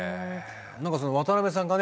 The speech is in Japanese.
何かその渡辺さんがね